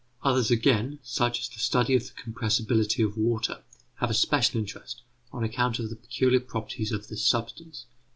Others, again, such as the study of the compressibility of water, have a special interest, on account of the peculiar properties of this substance.